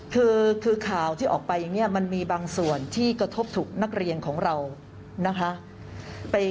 คือข่าวที่ออกไปอย่างนี้มันมีบางส่วนที่กระทบถูกนักเรียนของเรานะคะ